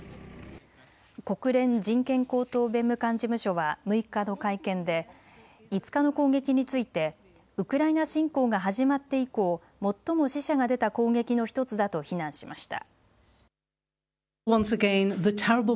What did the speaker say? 国連人権高等弁務官事務所は６日の会見で５日の攻撃についてウクライナ侵攻が始まって以降、最も死者が出た攻撃の１つだと非難しました。